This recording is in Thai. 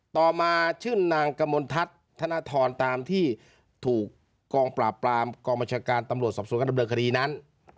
ต่อมาชื่อนางกมลทัศน์ธนทรตามที่ถูกกองปราบปรามกองบัญชาการตำรวจสอบสวนการดำเนินคดีนั้น